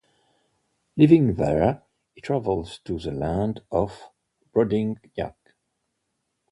Leaving there, he travels to the land of Brobdingnag.